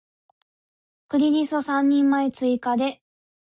クリリソ三人前追加で